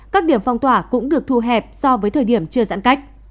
các điểm phong tỏa cũng được thu hẹp so với thời điểm chưa giãn cách